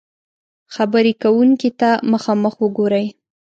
-خبرې کونکي ته مخامخ وګورئ